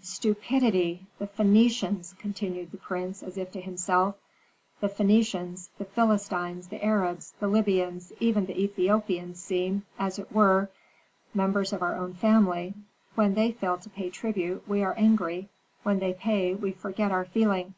"Stupidity! the Phœnicians!" continued the prince, as if to himself. "The Phœnicians, the Philistines, the Arabs, the Libyans, even the Ethiopians seem, as it were, members of our own family. When they fail to pay tribute, we are angry; when they pay, we forget our feeling.